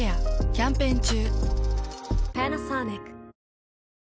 キャンペーン中。